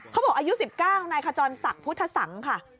เขาบอกอายุ๑๙นายขจรศักดิ์พุทธสังค์ค่ะ